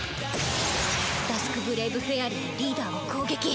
ダスク・ブレイブフェアリーでリーダーを攻撃。